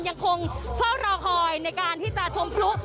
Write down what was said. ยังคงเฝ้ารอคอยในการที่จะชมพลุ